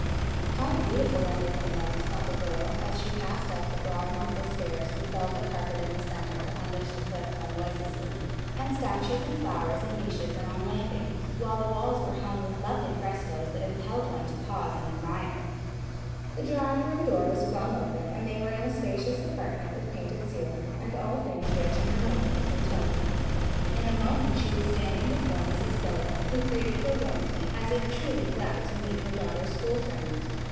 How beautiful everything was, thought the girl, as she passed up the broad marble stairs with velvet carpet in the centre, on which the foot fell noiselessly, and statues and flowers in niches and on landings, while the walls were hung with lovely frescoes that impelled one to pause and admire. The drawing room door was flung open, and they were in a spacious apartment with painted ceiling, and all things rich and harmonious in tone. In a moment she was standing before Mrs. Bowen, who greeted her warmly, as if truly glad to meet her daughter's school friend.